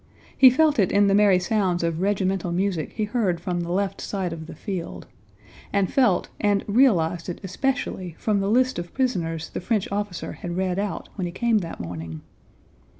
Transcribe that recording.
He felt it in the merry sounds of regimental music he heard from the left side of the field, and felt and realized it especially from the list of prisoners the French officer had read out when he came that morning.